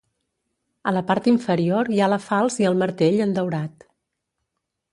A la part inferior hi ha la falç i el martell en daurat.